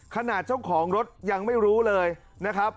ขนาดเจ้าของรถยังไม่รู้เลยนะครับ